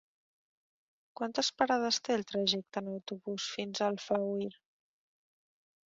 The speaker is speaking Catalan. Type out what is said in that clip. Quantes parades té el trajecte en autobús fins a Alfauir?